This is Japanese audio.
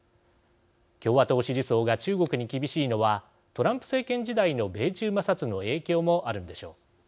共和党支持層が中国に厳しいのはトランプ政権時代の米中摩擦の影響もあるんでしょう。